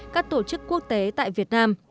các tổ chức quốc tế tại việt nam